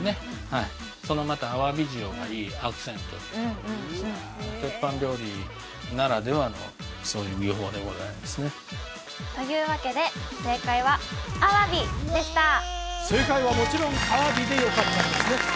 はいそのまたアワビ塩がいいアクセントに鉄板料理ならではのそういう技法でございますねというわけで正解は「アワビ」でした正解はもちろん「アワビ」でよかったんですね